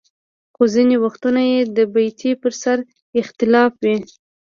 خو ځینې وختونه یې د بیې پر سر اختلاف وي.